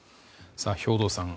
兵頭さん。